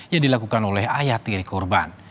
yang dilakukan oleh ayah tiri korban